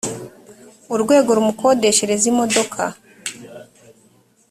urwego rumukodeshereza imodoka